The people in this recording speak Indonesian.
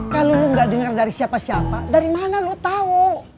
kalo lu gak dengar dari siapa siapa dari mana lu tahu